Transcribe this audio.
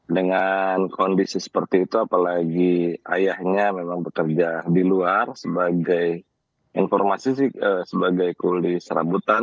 dengan kondisi seperti itu apalagi ayahnya memang bekerja di luar sebagai informasi sih sebagai kuli serabutan